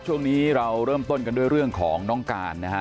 ช่วงนี้เราเริ่มต้นกันด้วยเรื่องของน้องการนะฮะ